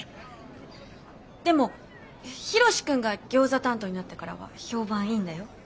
でもヒロシ君がギョーザ担当になってからは評判いいんだよ。